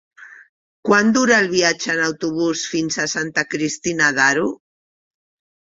Quant dura el viatge en autobús fins a Santa Cristina d'Aro?